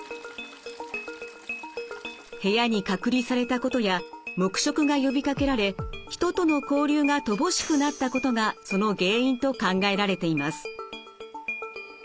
部屋に隔離されたことや黙食が呼びかけられ人との交流が乏しくなったことがその原因と考えられています。